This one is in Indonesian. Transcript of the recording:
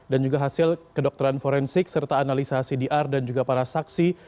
dan juga hasil kedokteran forensik serta analisa cdr dan juga para saksi